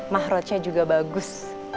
mahrojnya juga bagus